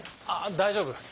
あっ大丈夫